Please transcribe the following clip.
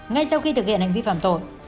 ngay sau khi thực hiện hành vi phạm tội